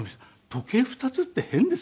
時計２つって変ですよね？